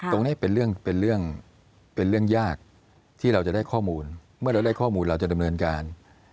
ตรงนี้เป็นเรื่องเป็นเรื่องยากที่เราจะได้ข้อมูลเมื่อเราได้ข้อมูลเราจะดำเนินการ